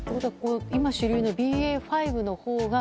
今、主流のＢＡ．５のほうが